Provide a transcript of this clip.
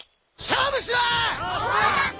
「勝負しろ！」。